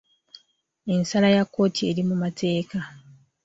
Ensala ya kkooti eri mu mateeka.